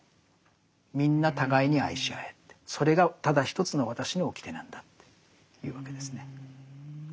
みんな互いに愛し合えってそれがただ一つの私の掟なんだって言うわけですね。